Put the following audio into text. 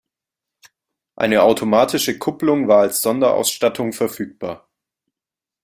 Eine automatische Kupplung war als Sonderausstattung verfügbar.